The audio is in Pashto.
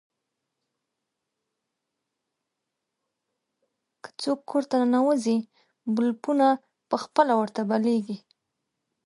که څوک کور ته ننوځي، بلپونه په خپله ورته بلېږي.